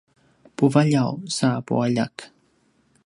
puvaljaw sa pualjak